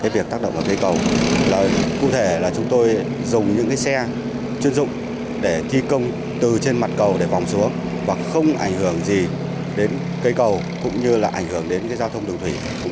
việc tác động vào cây cầu là cụ thể là chúng tôi dùng những xe chuyên dụng để thi công từ trên mặt cầu để vòng xuống và không ảnh hưởng gì đến cây cầu cũng như là ảnh hưởng đến giao thông đường thủy